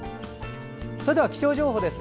それでは気象情報です。